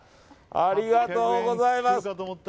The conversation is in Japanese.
ありがとうございます。